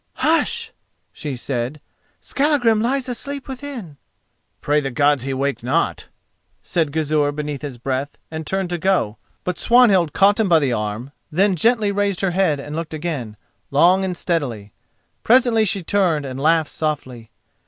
"Hush!" she said, "Skallagrim lies asleep within." "Pray the Gods he wake not!" said Gizur beneath his breath, and turned to go. But Swanhild caught him by the arm; then gently raised her head and looked again, long and steadily. Presently she turned and laughed softly.